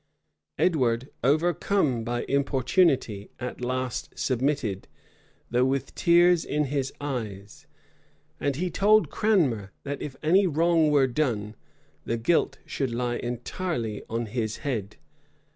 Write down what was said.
Edward, overcome by importunity, at last submitted, though with tears in his eyes; and he told Cranmer, that if any wrong were done, the guilt should lie entirely on his head.